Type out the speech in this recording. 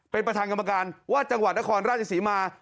เป็นประธานกรรมการว่าจังหวัดนครราชศรีมา